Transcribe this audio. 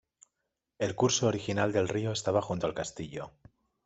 El curso original del río estaba junto al castillo.